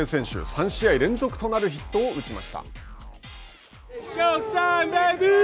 ３試合連続となるヒットを打ちました。